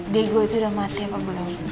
digo itu udah mati apa belum